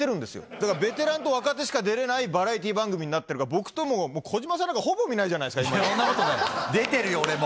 だからベテランと若手しか出れないバラエティー番組になってるから、僕ともう、児嶋さんなんか、ほぼ見ないじゃないですか、そんなことない、出てるよ、俺も。